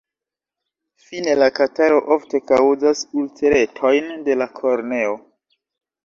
Fine la kataro ofte kaŭzas ulceretojn de la korneo.